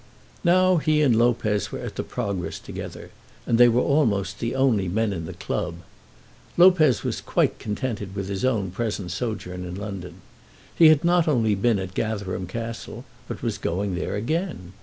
Now he and Lopez were at the Progress together, and they were almost the only men in the club. Lopez was quite contented with his own present sojourn in London. He had not only been at Gatherum Castle but was going there again.